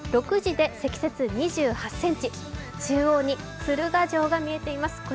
６時で積雪２８ｃｍ、中央に駿河城が見えています。